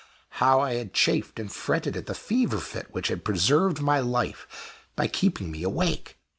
How I had chafed and fretted at the fever fit which had preserved my life by keeping me awake!